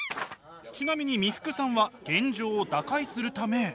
ちなみに三福さんは現状を打開するため。